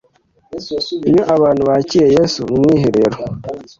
Iyo abantu bakiriye Yesu mu rwiherero,